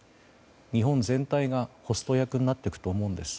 日本全体がホスト役になっていくと思うんです。